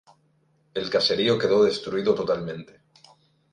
El caserío quedo destruido totalmente.